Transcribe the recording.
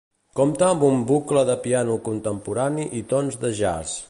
Compta amb un bucle de piano contemporani i tons de jazz.